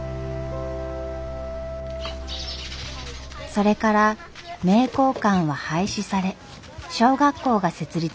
それから名教館は廃止され小学校が設立されました。